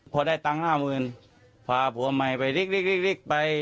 พอได้ตังค์๕๐๐๐๐บาทพาผัวใหม่ไปรีบไป